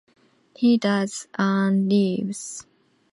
He does and leaves.